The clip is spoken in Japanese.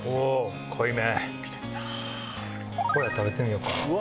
ホヤ食べてみようかな。